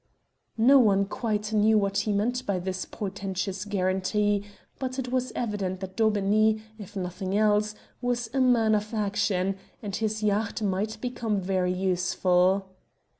No one quite knew what he meant by this portentous guarantee, but it was evident that Daubeney, if nothing else, was a man of action, and his yacht might become very useful.